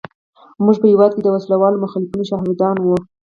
موږ په هېواد کې د وسله والو مخالفینو شاهدان وو.